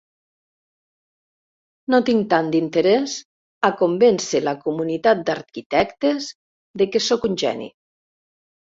No tinc tant d'interès a convèncer la comunitat d'arquitectes de que soc un geni.